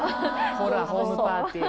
ほらホームパーティー